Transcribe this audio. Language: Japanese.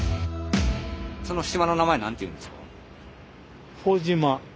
その島の名前何ていうんですか？